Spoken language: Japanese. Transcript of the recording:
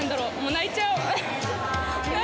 泣いちゃう。